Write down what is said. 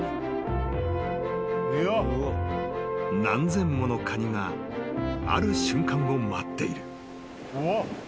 ［何千ものカニがある瞬間を待っている］